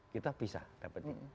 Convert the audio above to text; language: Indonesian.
kita bisa dapetin